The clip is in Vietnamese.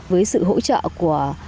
với sự hỗ trợ của các loài hoa